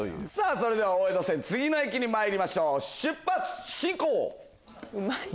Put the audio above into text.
それでは大江戸線次の駅にまいりましょう出発進行！